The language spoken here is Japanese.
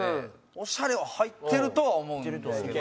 「オシャレ」は入ってるとは思うんですけど。